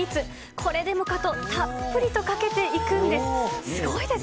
これでもかとたっぷりとかけていくんです。